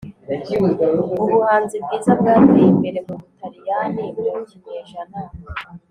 ubuhanzi bwiza bwateye imbere mu butaliyani mu kinyejana